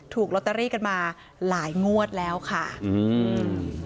ถูกลอตเตอรี่กันมาหลายงวดแล้วค่ะอืม